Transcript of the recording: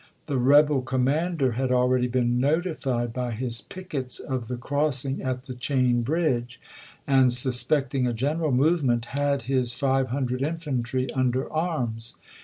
The rebel commander had ah'eady been notified by his pickets of the crossing at the Chain Bridge, and suspecting a general move ment, had his five hundred infantry under arms.